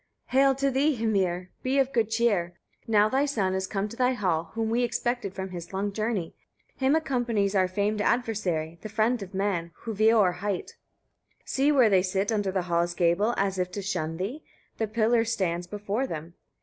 11. "Hail to thee, Hymir! be of good cheer: now thy son is come to thy hall, whom we expected from his long journey; him accompanies our famed adversary, the friend of man, who Veor hight. 12. See where they sit under the hall's gable, as if to shun thee: the pillar stands before them."